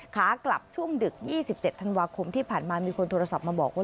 ขากลับช่วงดึก๒๗ธันวาคมที่ผ่านมามีคนโทรศัพท์มาบอกว่า